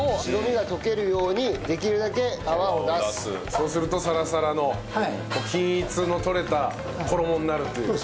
そうするとサラサラの均一の取れた衣になるっていう。